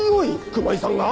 ⁉熊井さんが？